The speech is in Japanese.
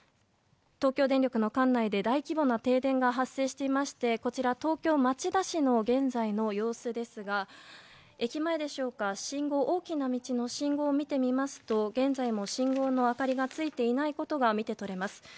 東京電力の管内で大規模な停電が発生しておりこちらは東京・町田市の現在の様子ですが駅前でしょうか大きな道の信号を見ますと現在も信号の明かりがついていないことが分かります。